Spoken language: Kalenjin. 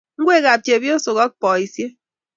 Ngwekab chepyosok ak boisiek